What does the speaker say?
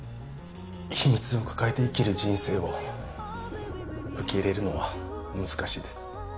秘密を抱えて生きる人生を受け入れるのは難しいです